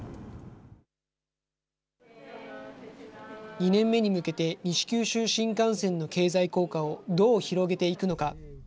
２年目に向けて西九州新幹線の経済効果をどう広げていくのか。